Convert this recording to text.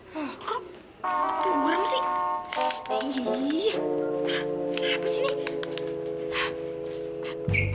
hah kok buram sih